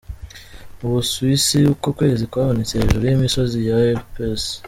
Mu Buswisse uko kwezi kwabonetse hejuru y'imisozi ya Alpes.